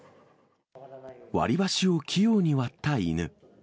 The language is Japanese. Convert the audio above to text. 割り箸を器用に割った犬。